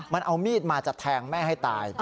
มันเอามีดมาจะแทงแม่ให้ตาย